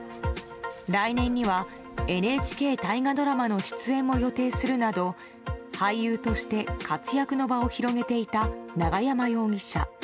来年にはＮＨＫ大河ドラマの出演も予定するなど俳優として活躍の場を広げていた永山容疑者。